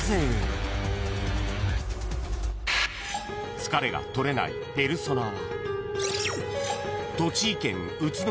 ［疲れが取れないペルソナは］